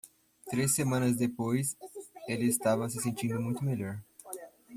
Três semanas depois,? ele estava se sentindo muito melhor.